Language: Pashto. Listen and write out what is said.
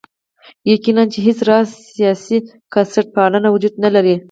یقیناً چې هېڅ راز سیاسي کثرت پالنه وجود نه لري.